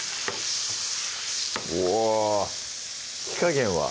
うわ火加減は？